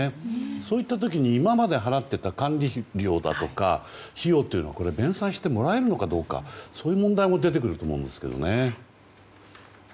そういった時に、今まで払っていた管理料だったりとか費用は弁済してもらえるかどうかそういう問題も出てくると思うんですけどね。